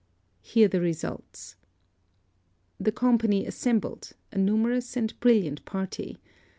Hear the result. The company assembled, a numerous and brilliant party.